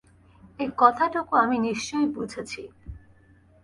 এই কথাটুকু আমি নিশ্চয় বুঝেছি।